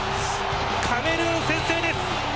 カメルーン先制です。